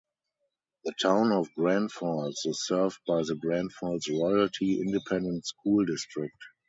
The Town of Grandfalls is served by the Grandfalls-Royalty Independent School District.